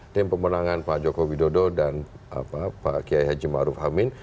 tim pemenangan pak joko widodo dan pak kiai haji ma'ruf hamid